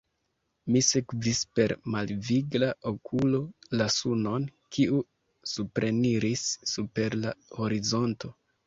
Mi sekvis per malvigla okulo la sunon, kiu supreniris super la horizonto.